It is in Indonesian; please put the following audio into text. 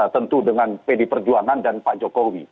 tentu dengan pd perjuangan dan pak jokowi